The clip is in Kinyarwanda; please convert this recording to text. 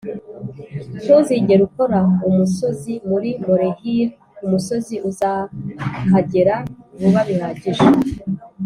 ntuzigere ukora umusozi muri molehill - umusozi uzahagera vuba bihagije